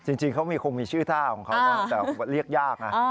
จริงเขาคงมีชื่อท่าของเขานะแต่เรียกยากนะ